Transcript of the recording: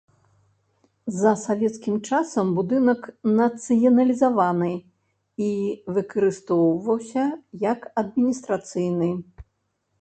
За савецкім часам будынак нацыяналізаваны і выкарыстоўваўся як адміністрацыйны.